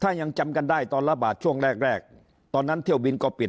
ถ้ายังจำกันได้ตอนระบาดช่วงแรกแรกตอนนั้นเที่ยวบินก็ปิด